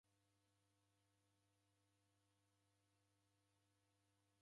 Nechi ow'ona ukaie msaliti